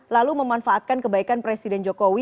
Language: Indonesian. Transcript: lalu memanfaatkan kebaikan presiden jokowi